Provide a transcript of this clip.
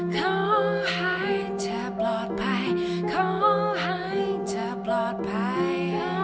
ขอให้เธอปลอดภัยขอให้เธอปลอดภัย